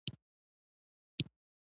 رومیان د ښه خواړه مثال دي